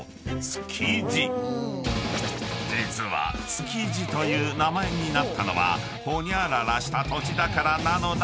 ［実は築地という名前になったのはホニャララした土地だからなのだが］